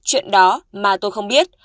chuyện đó mà tôi không biết